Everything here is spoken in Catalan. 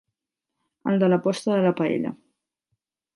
El de l'aposta de la paella.